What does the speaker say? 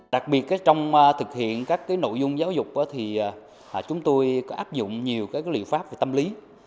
đặc biệt trong thực hiện các nội dung giáo dục thì chúng tôi có áp dụng nhiều liệu pháp về tâm lý